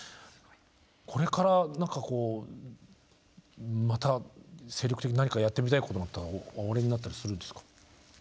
これから何かこうまた精力的に何かやってみたいことっておありになったりするんですか？